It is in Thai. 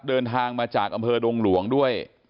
เดินทางมาจากอำเภอดงหลวงด้วย